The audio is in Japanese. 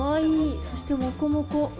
そしてもこもこ。